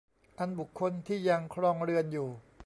อันบุคคลที่ยังครองเรือนอยู่